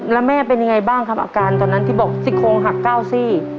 แล้วแม่เป็นยังไงบ้างครับอาการตอนนั้นที่บอกซี่โครงหัก๙ซี่